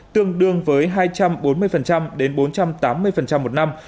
tương đương với hai trăm bốn mươi đến bốn trăm tám mươi một năm